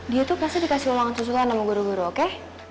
dia tuh pasti dikasih ulangan susulan sama guru guru oke